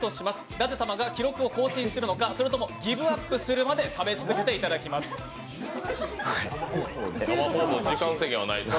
舘様が記録を更新するのか、それともギブアップするまで生放送、時間制限はないです